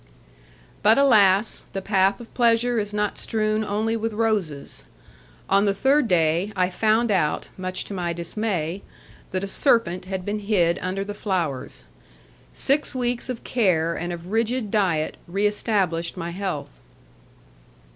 But, alas! the path of pleasure is not strewn only with roses! On the third day, I found out, much to my dismay, that a serpent had been hid under the flowers. Six weeks of care and of rigid diet re established my health.